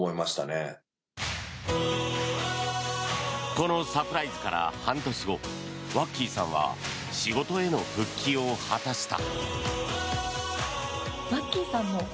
このサプライズから半年後ワッキーさんは仕事への復帰を果たした。